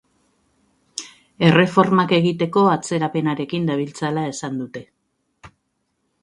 Erreformak egiteko atzerapenarekin dabiltzala esan dute.